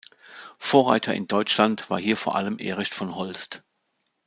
Vorreiter in Deutschland war hier vor allem Erich von Holst.